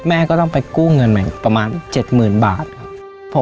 แม่ก็ต้องไปกู้เงินใหม่ประมาณ๗๐๐๐บาทครับ